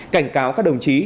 cảnh cáo các đồng chí